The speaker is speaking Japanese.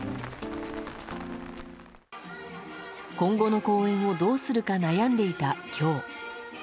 今後の公演をどうするか悩んでいた今日。